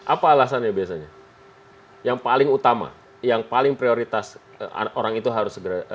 apa alasannya biasanya yang paling utama yang paling prioritas orang itu harus segera